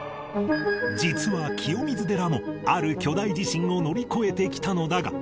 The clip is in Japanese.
実は清水寺もある巨大地震を乗り越えてきたのだが